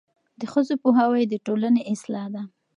د ښځو پوهاوی د ټولنې اصلاح ده.